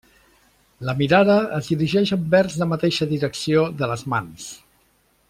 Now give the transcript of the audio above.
La mirada es dirigeix envers la mateixa direcció de les mans.